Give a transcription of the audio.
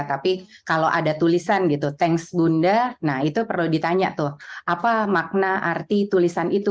tapi kalau ada tulisan gitu tanks bunda nah itu perlu ditanya tuh apa makna arti tulisan itu